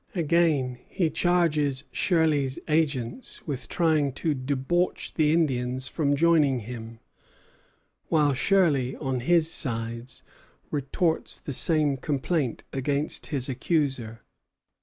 Again, he charges Shirley's agents with trying to "debauch the Indians from joining him;" while Shirley, on his side, retorts the same complaint against his accuser.